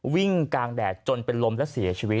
วิ่งกลางแดดจนเป็นลมและเสียชีวิต